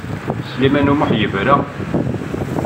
Sliman U Muḥ yebra.